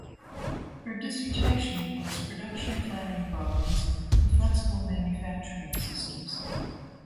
Her dissertation was "Production planning problems for flexible manufacturing systems".